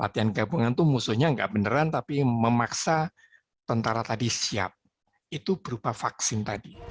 tentu musuhnya nggak beneran tapi memaksa tentara tadi siap itu berupa vaksin tadi